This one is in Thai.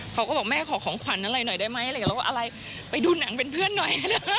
เขาก็บอกแม่ขอของขวัญอะไรหน่อยได้ไหมอะไรไปดูหนังเป็นเพื่อนหน่อย